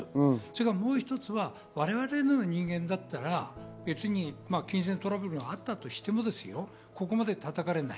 もう一つはわれわれのような人間だったら金銭トラブルがあったとしても、ここまで叩かれない。